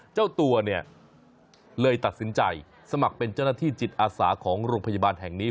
เจ้าตัวเนี่ยเลยตัดสินใจสมัครเป็นเจ้าหน้าที่จิตอาสาของโรงพยาบาลแห่งนี้